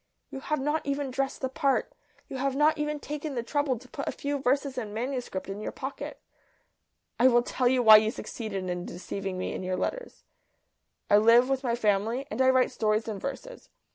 You have not even dressed the part. You have not even taken the trouble to put a few verses in manuscript in your pocket. I will tell you why you succeeded in deceiving me in your letters. I live with my family, and I write stories and verses.